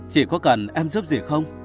chị có cần em giúp gì không